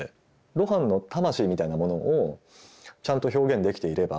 露伴の「魂」みたいなものをちゃんと表現できていれば